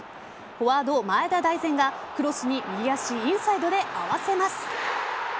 フォワード・前田大然がクロスに右足インサイドで合わせます。